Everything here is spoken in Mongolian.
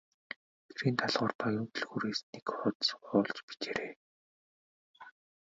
Гэрийн даалгаварт Оюун түлхүүрээс нэг хуудас хуулж бичээрэй.